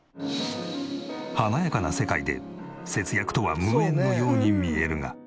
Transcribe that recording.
華やかな世界で節約とは無縁のように見えるが。